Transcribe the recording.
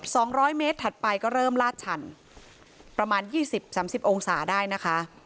สองร้อยเมตรถัดไปก็เริ่มลาดชันประมาณยี่สิบสามสิบองศาได้นะคะ